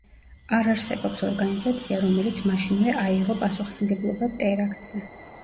არ არსებობს ორგანიზაცია, რომელიც მაშინვე აიღო პასუხისმგებლობა ტერაქტზე.